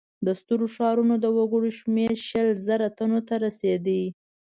د سترو ښارونو د وګړو شمېر شل زره تنو ته رسېده.